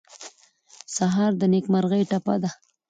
سهار د نېکمرغۍ ټپه ده.